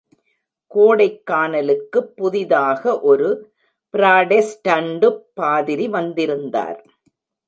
கோடைக்கானலுக்குப் புதிதாக ஒரு பிராடெஸ்டண்டுப் பாதிரி வந்திருந்தார்.